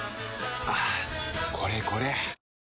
はぁこれこれ！